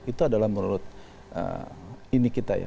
itu adalah menurut ini kita ya